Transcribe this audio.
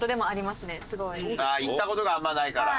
行った事があんまりないから。